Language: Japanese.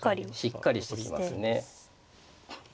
しっかりしてきますね。